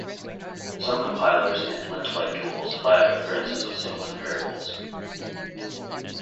Some compilers and lint-like tools flag occurrences of singleton variables.